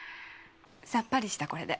さっぱりしたこれで。